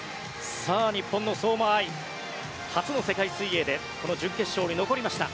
日本の相馬あい初の世界水泳でこの準決勝に残りました。